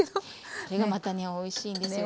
これがまたねおいしいんですよ。